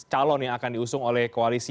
calon yang akan diusung oleh koalisi